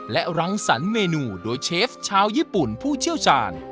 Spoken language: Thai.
และรังสรรคเมนูโดยเชฟชาวญี่ปุ่นผู้เชี่ยวชาญ